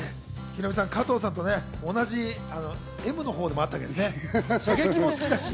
ヒロミさん、加藤さんと同じＭのほうでもあったんですね、射撃も好きだし。